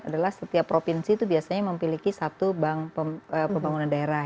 adalah setiap provinsi itu biasanya memiliki satu bank pembangunan daerah